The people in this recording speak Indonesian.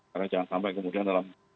karena jangan sampai kemudian dalam